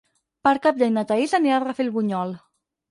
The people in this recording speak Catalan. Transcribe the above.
Per Cap d'Any na Thaís anirà a Rafelbunyol.